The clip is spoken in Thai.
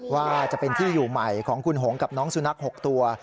ว่าจะเป็นที่อยู่ใหม่ของคุณหงกับน้องสุนัข๖ตัว